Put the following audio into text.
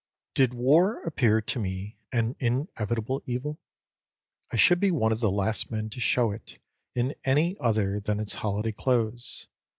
Did war appear to me an inevitable evil, I should be one of the last men to shew it in any other than its holiday clothes.